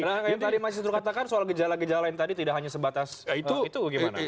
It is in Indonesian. nah yang tadi mas istur katakan soal gejala gejala yang tadi tidak hanya sebatas itu gimana